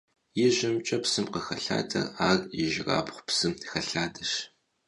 Yijımç'e psım khıxelhader ar yijırabğu psı xelhadeş.